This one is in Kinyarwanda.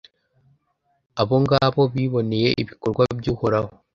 abo ngabo biboneye ibikorwa by’Uhoraho